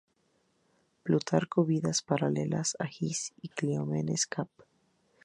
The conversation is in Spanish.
Plutarco, Vidas Paralelas: Agis y Cleómenes, cap.